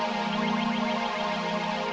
kamila kamu gak salah sayang